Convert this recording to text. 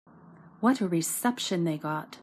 What a reception they got.